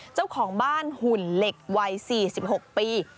เจ้าของบ้านหุ่นเหล็กวัย๔๖ปี